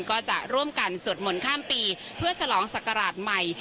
ก็จะร่วมกันสวดมนต์ข้ามปีเพื่อฉลองศักราชใหม่